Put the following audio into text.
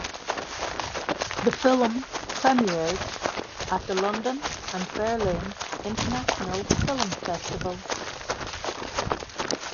The film premiered at the London and Berlin international film festivals.